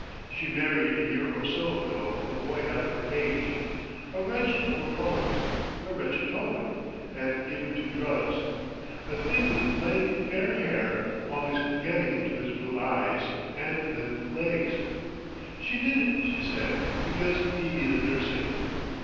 She married a year or so ago a boy half her age—a wretch of a poet, a wretched poet, and given to drugs, a thing with lank fair hair always getting into his blue eyes, and limp legs. She did it, she said, because he needed nursing....